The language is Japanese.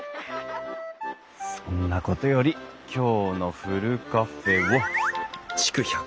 そんなことより今日のふるカフェは？